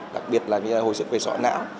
đặc biệt là hồi sức về sợ não